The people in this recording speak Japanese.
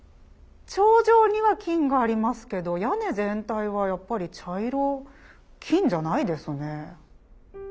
頂上には金がありますけど屋根全体はやっぱり茶色金じゃないですね。